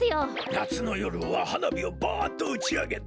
なつのよるははなびをバッとうちあげて。